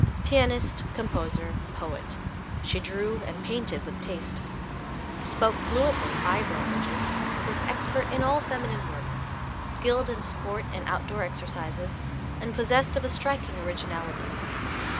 Pianist, composer, poet, she drew and painted with taste; spoke fluently five languages; was expert in all feminine work, skilled in sport and outdoor exercises, and possessed of a striking originality.